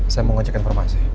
saya mau ngajakin informasi